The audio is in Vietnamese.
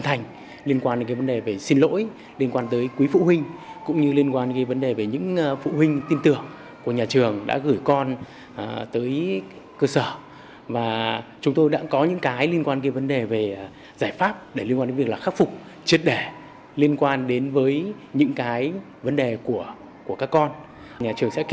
kiểm soát chặt chẽ liên quan đến vấn đề về các thực phẩm đầu vào của các con